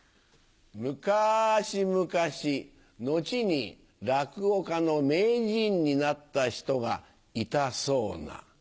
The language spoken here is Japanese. むかしむかし後に落語家の名人になった人がいたそうな。